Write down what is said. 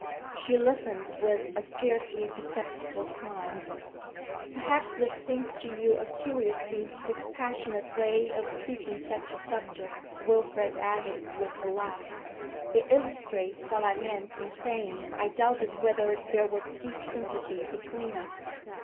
She listened with a scarcely perceptible smile. 'Perhaps this seems to you a curiously dispassionate way of treating such a subject,' Wilfrid added, with a laugh. 'It illustrates what I meant in saying I doubted whether there was deep sympathy between us.